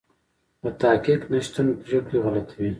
د تحقیق نشتون پرېکړې غلطوي.